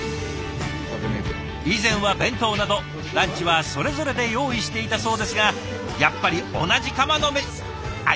以前は弁当などランチはそれぞれで用意していたそうですがやっぱり同じ釜のメシあっ